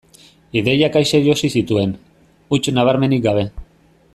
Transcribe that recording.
Ideiak aise josi zituen, huts nabarmenik gabe.